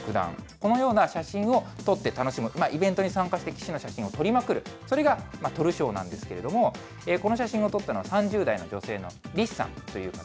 このような写真を撮って楽しむ、イベントに参加する棋士の写真を撮りまくる、それが撮る将なんですけれども、この写真を撮ったのは３０代の女性のりっさんという方。